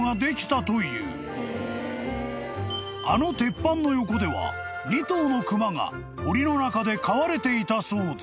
［あの鉄板の横では２頭の熊がおりの中で飼われていたそうで］